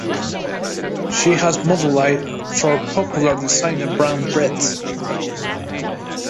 She has modelled for popular designer brand Bretz.